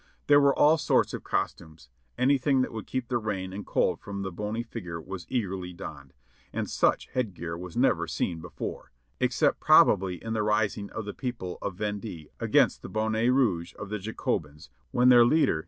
There were all sorts of costumes ; anything that would keep the rain and cold from the bony figiu'e was eagerly donned, and such headgear was never seen before, except probably in the rising of the people of Vendee against the "Bonnet Rouge" of the Jacobins, when their leader.